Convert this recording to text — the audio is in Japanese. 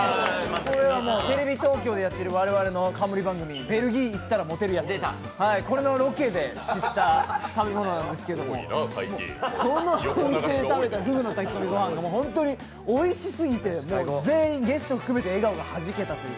これはテレビ東京でやっている我々の冠番組「ベルギー行ったらモテるやつ」のロケで知った食べ物なんですけどここで食べたふぐの炊き込みごはんが本当においしすぎて、全員ゲスト含めて笑顔がハジけたという。